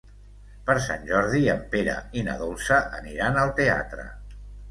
Per Sant Jordi en Pere i na Dolça aniran al teatre.